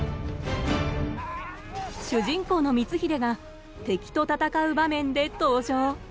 主人公の光秀が敵と戦う場面で登場。